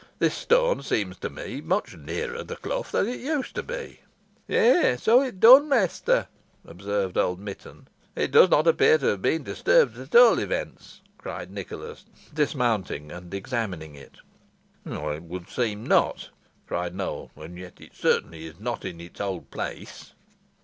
This stone seems to me much nearer the clough than it used to be." "Yeigh, so it dun, mester," observed old Mitton. "It does not appear to have been disturbed, at all events," said Nicholas, dismounting and examining it. "It would seem not," said Nowell "and yet it certainly is not in its old place."